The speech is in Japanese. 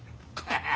ハハハ！